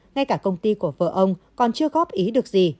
ngay cả công ty của vợ ông còn chưa góp ý được gì